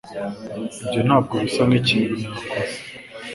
Ibyo ntabwo bisa nkikintu yakora.